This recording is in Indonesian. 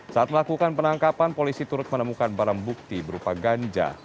saat melakukan penangkapan polisi turut menemukan barang bukti berupa ganja